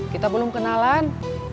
kita belum kenalan